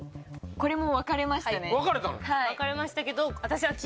これも分かれましたね